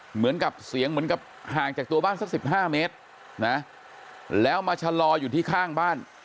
เหมือนกับเสียงเหมือนกับห่างจากตัวบ้านสัก๑๕เมตรนะแล้วมาชะลออยู่ที่ข้างบ้าน